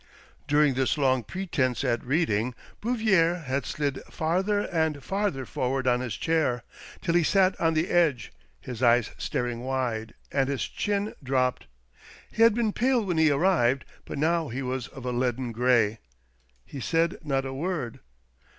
Dm'ing this long pretence at reading, Bouvier had slid farther and farther forward on his chair, till he sat on the edge, his eyes staring wide, and his chin dropped. He had been pale when he arrived, but now he was of a leaden gray. He said not a word.